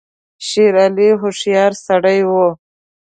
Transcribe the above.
شېر علي هوښیار سړی وو.